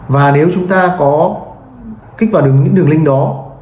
và nếu chúng ta có kích vào được những đường link đó